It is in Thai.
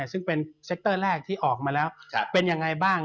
ซึ่งเป็นเซ็กเตอร์แรกที่ออกมาแล้วเป็นยังไงบ้าง